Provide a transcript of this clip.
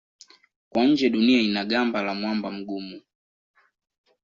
Kwa nje Dunia ina gamba la mwamba mgumu.